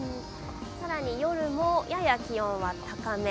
更に夜もやや気温は高め。